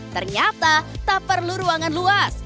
ternyata tak perlu ruangan luas